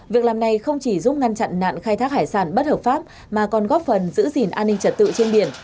việc làm này không chỉ giúp ngăn chặn nạn khai thác hải sản bất hợp pháp mà còn góp phần giữ gìn an ninh trật tự trên biển